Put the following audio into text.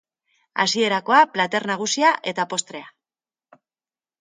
Hasierakoa, plater nagusia eta postrea.